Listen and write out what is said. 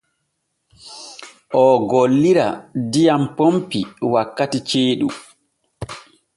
Oo gollira diyam pompi wakkati ceeɗu.